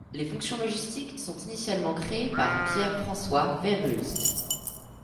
Les fonctions logistiques sont initialement créées par Pierre François Verhulst.